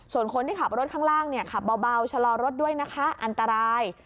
ส่วนคนที่ขับรถข้างล่างขับเบาชะลอรถด้วยนะคะอันตราย